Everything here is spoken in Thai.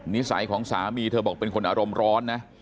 นิสัยของสามีเธอบอกเป็นคนอารมณ์ร้อนนะ